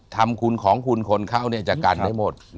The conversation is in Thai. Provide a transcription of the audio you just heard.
ทำของคุณคนเขาเนี่ยจะกันได้หมด